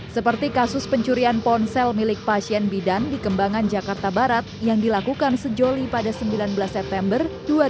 seperti kasus pencurian ponsel milik pasien bidan di kembangan jakarta barat yang dilakukan sejoli pada sembilan belas september dua ribu dua puluh